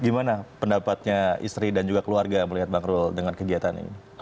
gimana pendapatnya istri dan juga keluarga melihat bang rul dengan kegiatan ini